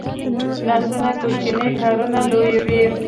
لاسونه کوچني کارونه لویوي